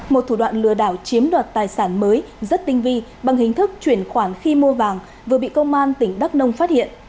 một thủ đoạn lừa đảo chiếm đoạt tài sản mới rất tinh vi bằng hình thức chuyển khoản khi mua vàng vừa bị công an tỉnh đắk nông phát hiện